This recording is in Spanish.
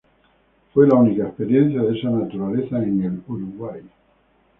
Fue la única experiencia de esa naturaleza en el Uruguay.